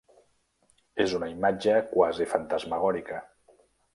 És una imatge quasi fantasmagòrica.